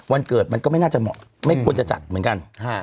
วันเกิดมันก็ไม่น่าจะเหมาะไม่ควรจะจัดเหมือนกัน